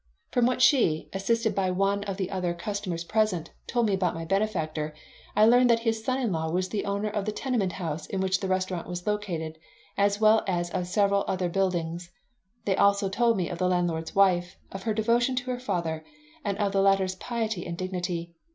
From what she, assisted by one of the other customers present, told me about my benefactor I learned that his son in law was the owner of the tenement house in which the restaurant was located, as well as of several other buildings. They also told me of the landlord's wife, of her devotion to her father, and of the latter's piety and dignity.